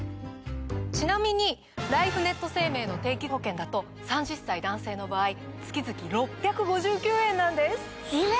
ちなみにライフネット生命の定期保険だと３０歳男性の場合月々６５９円なんです！